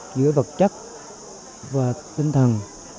giữa vật chất và tinh thần